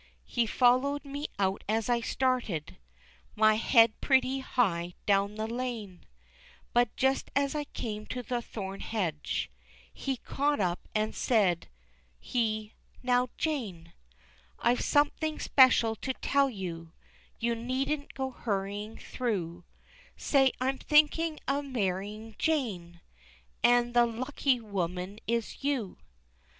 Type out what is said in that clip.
He followed me out as I started My head pretty high down the lane, But just as I came to the thorn hedge, He caught up, and said he, "Now Jane, I've something special to tell you, You needn't go hurrying through; Say, I'm thinkin' of marryin', Jane, An' the lucky woman is you.